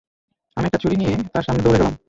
আমি একটা ছুরি নিয়ে তার সামনে দৌড়ে গেলাম।